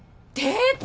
えっ！